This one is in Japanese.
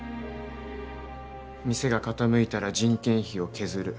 店が傾いたら人件費を削る。